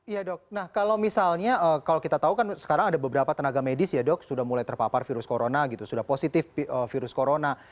iya dok nah kalau misalnya kalau kita tahu kan sekarang ada beberapa tenaga medis ya dok sudah mulai terpapar virus corona gitu sudah positif virus corona